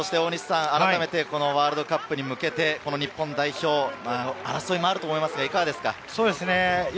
ワールドカップに向けて日本代表争いもあると思いますが、いかがですか？